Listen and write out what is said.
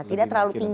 tidak terlalu tinggi